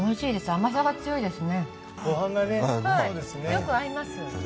よく合います。